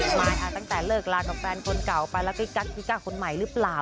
หมายถามตั้งแต่เลิกราดของแฟนคนเก่าไปแล้วก็กัดที่กัดคนใหม่หรือเปล่า